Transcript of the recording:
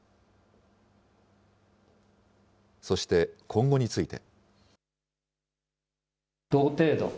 そして今後について。